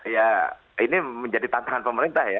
ya ini menjadi tantangan pemerintah ya